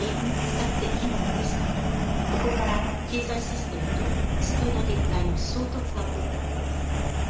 ここから経済システムと地球の限界の衝突が起こったわけです。